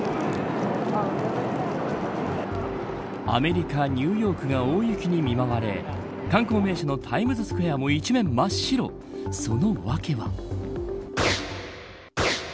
アメリカニューヨークが大雪に見舞われ観光名所のタイムズスクエアも一面真っ白その訳は。